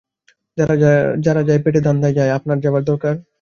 যারা যায় পেটের ধান্দায় যায়, আপনার যাবার দরকার?